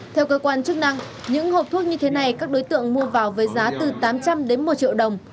theo cơ quan chức năng những hộp thuốc như thế này các đối tượng mua vào với giá từ tám trăm linh đến một triệu đồng